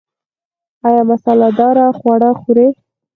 ایا مساله داره خواړه خورئ؟